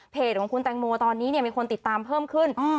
ของคุณแตงโมตอนนี้มีคนติดตามเพิ่มขึ้น